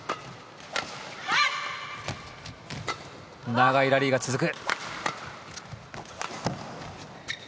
長いラリーが続く。